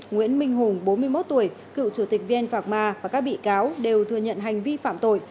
nguyễn minh hùng bốn mươi một tuổi cựu chủ tịch vn phạc ma và các bị cáo đều thừa nhận hành vi phạm tội